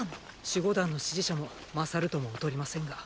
守護団の支持者も優るとも劣りませんが。